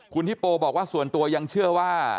คุณฮิโปบอกว่าส่วนตัวยังเชื่อว่า